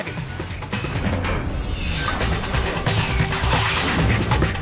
あっ。